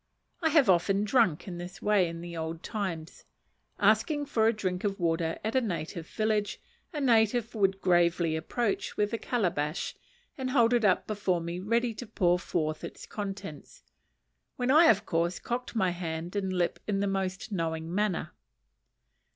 I have often drunk in this way in the old times: asking for a drink of water at a native village, a native would gravely approach with a calabash, and hold it up before me ready to pour forth its contents; when I, of course, cocked my hand and lip in the most knowing manner.